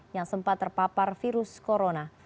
yang sempat terpapar virus corona